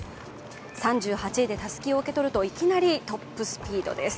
３８位でたすきを受け取ると、いきなりトップスピードです。